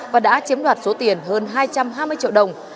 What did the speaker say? và đã chiếm đoạt số tiền hơn hai trăm hai mươi triệu đồng